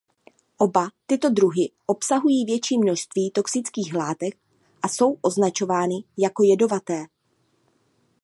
Oba tyto druhy obsahují větší množství toxických látek a jsou označovány jako jedovaté.